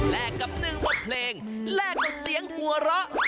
แลกกับตึกบับเพลงแลกกับเสียงหัวเราะ